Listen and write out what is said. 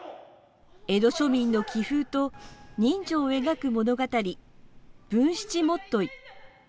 江戸庶民の気風と人情を描く物語「文七元結」。